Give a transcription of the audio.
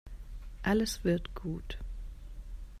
Alles wird gut.